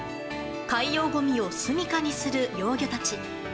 海洋ごみをすみかにする幼魚たち。